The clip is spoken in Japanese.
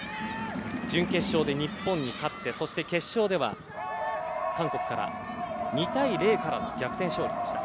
準決勝で日本に勝って決勝では韓国から２対０からの逆転勝利でした。